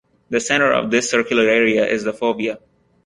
The center of this circular area is the fovea.